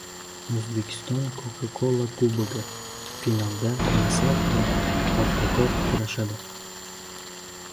O‘zbekiston Coca-Cola kubogi. Finalda «Nasaf» va «Paxtakor» kurashadi